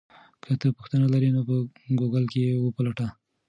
که ته پوښتنه لرې نو په ګوګل کې یې وپلټه.